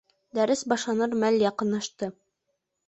Дәрес башланыр мәл яҡынлашты.